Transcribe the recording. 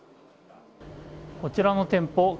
こちらの店舗